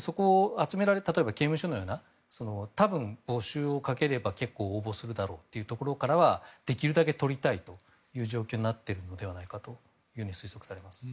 例えば刑務所のような多分募集をかければ結構、応募するだろうというところはできるだけ取りたいという条件になっているのではないかと推測されます。